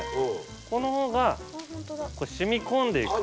このほうが染み込んでいく。